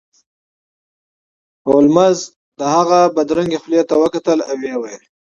هولمز د هغه بدرنګې خولې ته وکتل او ویې ویل